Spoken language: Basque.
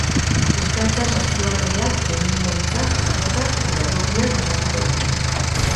Eskaintza saskibaloiak, txirrindularitzak, pilotak eta errugbiak osatuko dute.